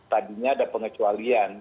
tadinya ada pengecualian